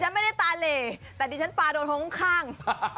ดิฉันไม่ได้ตาเหล่แต่ดิฉันปาโดนของข้าง